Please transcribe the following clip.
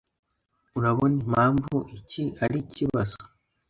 Urabona impamvu iki ari ikibazo?